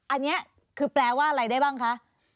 อันนี้คือเปลี่ยนตัวอะไรได้บ้างคะ